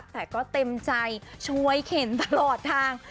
แต่ก็เต็มใจช่วยเข็นตลอดทาง